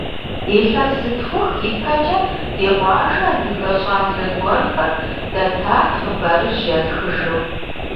Илъэс зытхух и пэкӏэ, ди къуажэ адыгэ щӏалэ гуэрхэр дэтат хъыбарыжь ятхыжу.